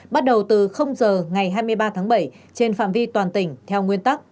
bắt đầu từ giờ ngày hai mươi ba tháng bảy trên phạm vi toàn tỉnh theo nguyên tắc